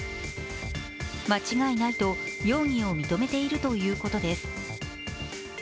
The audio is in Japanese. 間違いないと容疑を認めているということです。